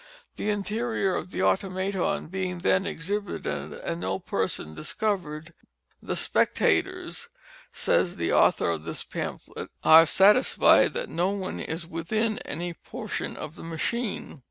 The interior of the automaton being then exhibited, and no person discovered, the spectators, says the author of this pamphlet, are satisfied that no one is within any portion of the machine.